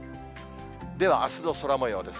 ではあすの空もようです。